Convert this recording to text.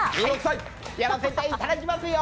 やらせていただきますよ。